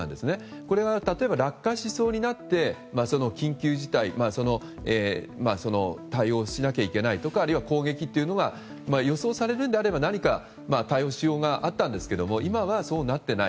これが例えば落下しそうになって緊急事態に対応しなきゃいけないとか攻撃が予想されるのであれば何か対応しようがあったんですが今はそうなっていない。